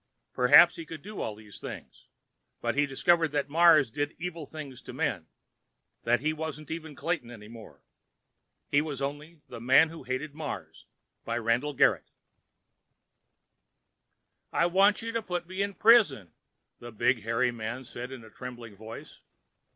Perhaps he could do all these things, but he discovered that Mars did evil things to men; that he wasn't even Clayton any more. He was only—_ The Man Who Hated Mars By RANDALL GARRETT "I WANT you to put me in prison!" the big, hairy man said in a trembling voice.